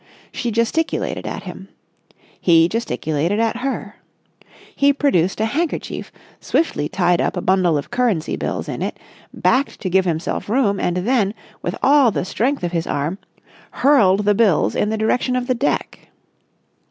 She gesticulated at him. He gesticulated at her. He produced a handkerchief, swiftly tied up a bundle of currency bills in it, backed to give himself room, and then, with all the strength of his arm, hurled the bills in the direction of the deck.